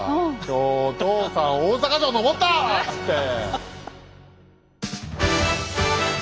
「今日お父さん大坂城登った！」っつって。